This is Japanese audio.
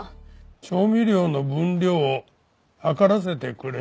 調味料の分量を量らせてくれ？